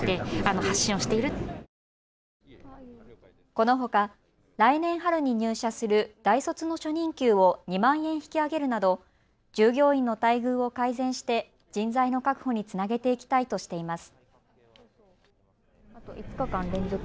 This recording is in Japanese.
このほか来年春に入社する大卒の初任給を２万円引き上げるなど従業員の待遇を改善して人材の確保につなげていきたいとしています。